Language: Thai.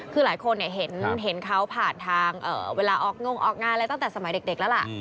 คือหลายคนเห็นเขาผ่านทางเวลาออกงงออกงานอะไรตั้งแต่สมัยเด็กแล้วล่ะ